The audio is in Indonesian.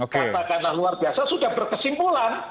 katakanlah luar biasa sudah berkesimpulan